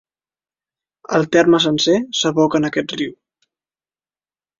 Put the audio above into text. El terme sencer s'aboca en aquest riu.